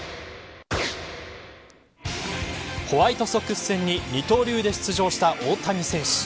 ホワイトソックス戦に、二刀流で出場した大谷選手